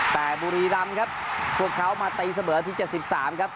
แต่บุรีดำครับพวกเขามาตีเสมอที่เจ็ดสิบสามครับ